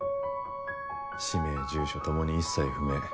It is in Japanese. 氏名住所共に一切不明。